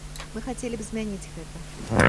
Мы хацелі б змяніць гэта.